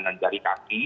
dan jari kaki